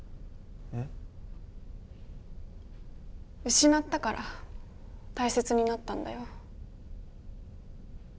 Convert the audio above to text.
失ったからたいせつになったんだよ。